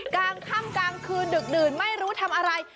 กลางค่ำกลางคืนดึกดื่นไม่รู้ทำอะไร